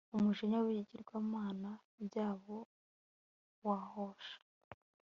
umujinya wibigirwamana byabo wahosha